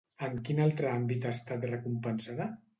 En quin altre àmbit ha estat recompensada?